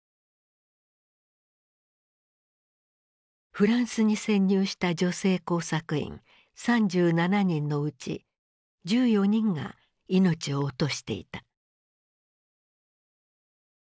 フランスに潜入した女性工作員３７人のうち１４人が命を落としていた。